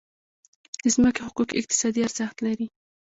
د ځمکې حقوق اقتصادي ارزښت لري.